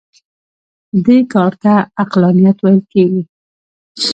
دې کار ته عقلانیت ویل کېږي.